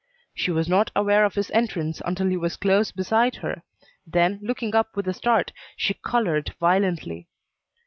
She was not aware of his entrance until he was close beside her; then, looking up with a start, she colored violently.